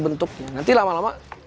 bentuknya nanti lama lama